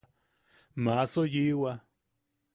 Maaso yiʼiwa.